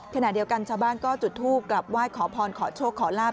ขณะเดียวกันชาวบ้านก็จุดทูปกลับไหว้ขอพรขอโชคขอลาบ